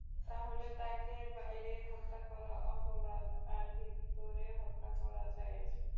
তাহলে তাকে বাইরে হত্যা করা অপরাধ, আর ভিতরে হত্যা করা জায়েজ?